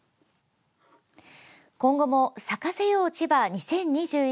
今後も咲かせよう千葉２０２１